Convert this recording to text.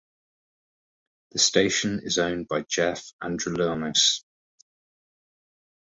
The station is owned by Jeff Andrulonis.